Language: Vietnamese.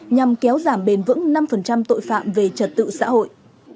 nhằm kéo giảm bền vững năm tội phạm về trật tự xã hội